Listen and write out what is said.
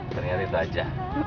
ternyata itu aja